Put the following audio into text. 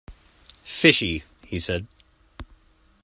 "Fishy," he said.